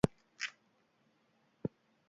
Gainera, eskuineko eskua benda batekin bilduta zuen.